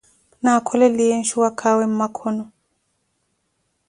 Na akholeliye nshuwakaawe mmakhono.